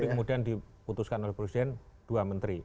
tapi kemudian diputuskan oleh presiden dua menteri